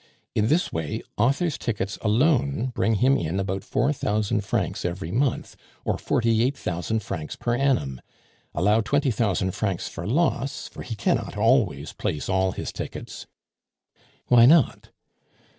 In this way authors' tickets alone bring him in about four thousand francs every month, or forty eight thousand francs per annum. Allow twenty thousand francs for loss, for he cannot always place all his tickets " "Why not?"